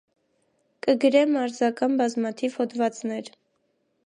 Կը գրէ մարզական բազմաթիւ յօդուածներ։